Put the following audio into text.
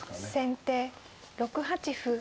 先手６八歩。